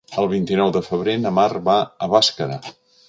El vint-i-nou de febrer na Mar va a Bàscara.